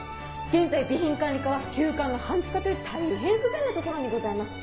現在備品管理課は旧館の半地下という大変不便な所にございます。